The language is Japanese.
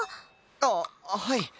あっはい。